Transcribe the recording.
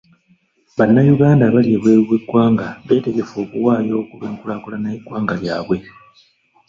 Bannayuganda abali ebweru w'eggwanga beetegefu okuwaayo ku lw'enkulaakulana y'eggwanga lyabwe.